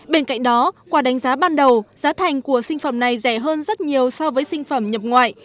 bên cạnh đó qua đánh giá ban đầu giá thành của sinh phẩm này rẻ hơn rất nhiều so với sinh phẩm nhập ngoại